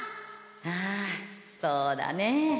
あそうだね。